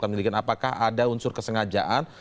apakah ada unsur kesengajaan